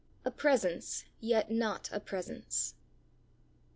A PRESENCE YET NOT A PRESENCE.